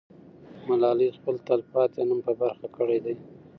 ملالۍ خپل تل پاتې نوم په برخه کړی دی.